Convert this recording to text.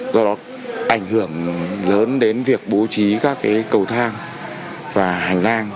do đó ảnh hưởng lớn đến việc bố trí các cái cầu thang và hành lang